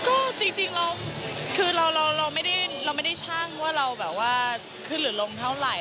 ก็จริงคือเราไม่ได้ช่างว่าเราขึ้นหมดหรือลงเท่าไหร่